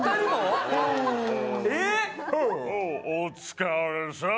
お疲れさん